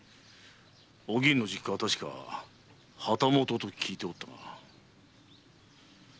お吟の実家は確か旗本と聞いておったが。